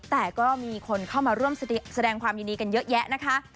แต่ก็มีคนเข้ามาร่วมแสดงความยินดีกันเยอะแยะนะคะ